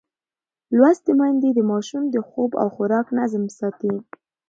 لوستې میندې د ماشوم د خوب او خوراک نظم ساتي.